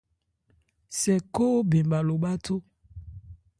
Sɛ khó bɛn bha lo bháthó.